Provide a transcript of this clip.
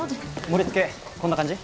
盛りつけこんな感じ？